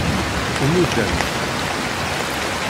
Imudd-am-t.